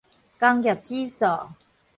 工業指數